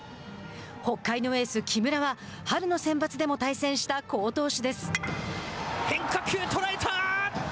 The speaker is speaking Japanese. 北海のエース、木村は春のセンバツでも対戦した変化球、捉えた。